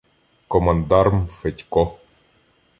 Командарм Федько.